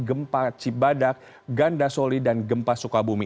gempa cibadak ganda soli dan gempa sukabumi